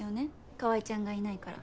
川合ちゃんがいないから。